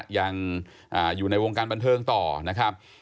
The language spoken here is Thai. ยังอยู่ในวงการบันเทิงต่อนะครับ